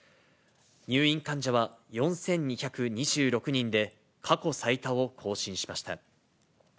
入院患者は４２２６人で、過去最多を更新しました。